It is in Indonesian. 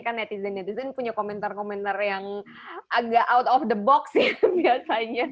kan netizen netizen punya komentar komentar yang agak out of the box itu biasanya